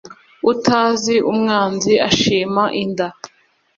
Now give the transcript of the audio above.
utazi umwanzi ashima inda